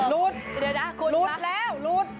รูดรูดแล้วรูด